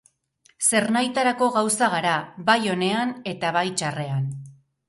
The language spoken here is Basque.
Zernahitarako gauza gara, bai onean eta bai txarrean.